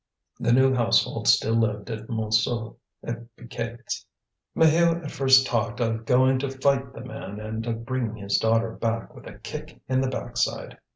The new household still lived at Montsou, at Piquette's. Maheu at first talked of going to fight the man and of bringing his daughter back with a kick in the backside.